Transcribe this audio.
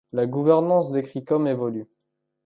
La gouvernance d’Ecricome évolue.